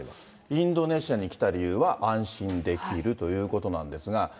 インドネシアに来た理由は、安心できるということなんですが。